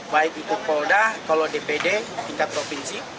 baik itu polda kalau dpd tingkat provinsi